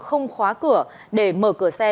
không khóa cửa để mở cửa xe